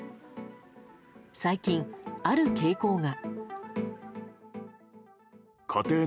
最近、ある傾向が。